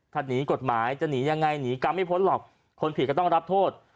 ถ้าหนีกฎหมายจะหนียังไงหนีกรรมไม่พ้นหรอกคนผิดก็ต้องรับโทษ